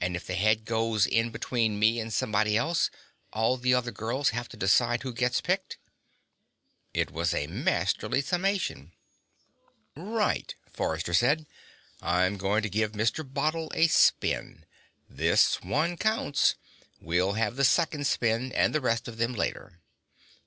"And if the head goes in between me and somebody else, all the other girls have to decide who gets picked." It was a masterly summation. "Right," Forrester said. "I'm going to give Mr. Bottle a spin. This one counts. We'll have the second spin, and the rest of them, later."